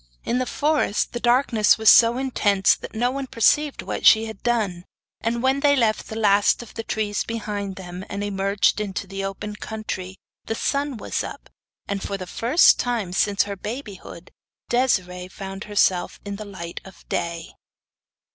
In the forest the darkness was so intense that no one perceived what she had done, but when they left the last trees behind them, and emerged into the open country, the sun was up, and for the first time since her babyhood, Desiree found herself in the light of day.